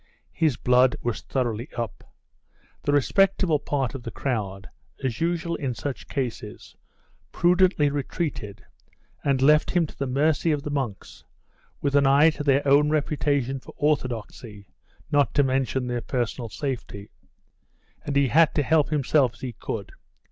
His blood was thoroughly up. The respectable part of the crowd, as usual in such cases, prudently retreated, and left him to the mercy of the monks, with an eye to their own reputation for orthodoxy, not to mention their personal safety; and he had to help himself as he could.